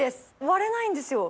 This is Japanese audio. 割れないんですよ